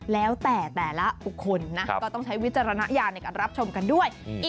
แล้วแต่แต่ละบุคคลนะก็ต้องใช้วิจารณญาณในการรับชมกันด้วย